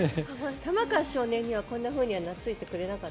玉川少年にはこんなふうに懐いてくれなかった？